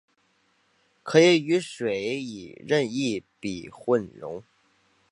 可以与水以任意比混溶。